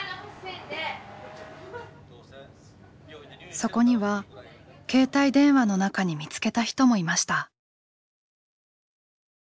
そこには携帯電話の中に見つけた人もいました。